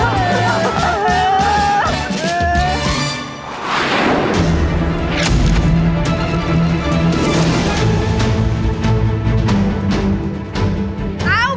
เอาคนจอดมา